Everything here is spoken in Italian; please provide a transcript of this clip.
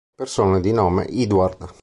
Persone di nome Edward